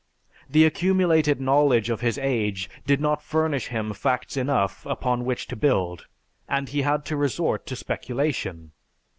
The accumulated knowledge of his age did not furnish him facts enough upon which to build and he had to resort to speculation.